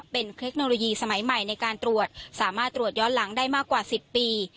เป็นเทคโนโลยีสมัยใหม่ในการตรวจสามารถตรวจย้อนหลังได้มากกว่า๑๐ปี